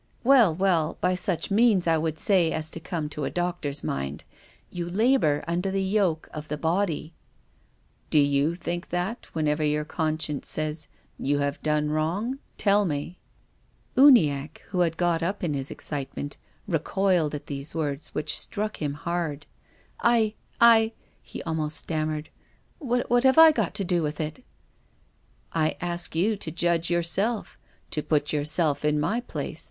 " Well, well — by such means, I would say, as come to a doctor's mind. You labour under the yoke of the body." 66 tongup:s of conscience. " Do you think that whenever your conscience says, ' You have done wrong '? Tell me !" Uniacke, who had got up in his excitement, recoiled at these words which struck him hard. " I — I !" he almost stammered. " What have I got to do with it ?" I ask you to judge yourself, to put yourself in my place.